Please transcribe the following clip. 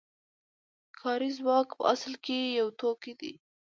کاري ځواک په اصل کې یو توکی دی